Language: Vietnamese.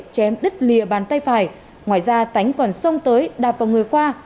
chém đứt lìa bàn tay phải ngoài ra tánh còn sông tới đạp vào người khoa